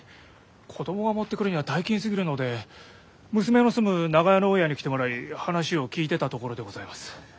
子どもが持ってくるには大金すぎるので娘の住む長屋の大家に来てもらい話を聞いてたところでございます。